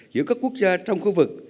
giữa các quốc gia trong khu vực